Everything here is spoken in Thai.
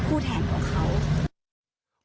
คุณผู้ชมถามมาในไลฟ์ว่าเขาขอฟังเหตุผลที่ไม่ให้จัดอีกที